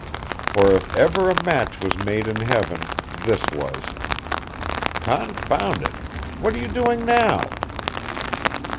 For if ever a match was made in heaven this was. Confound it! what are you doing now?"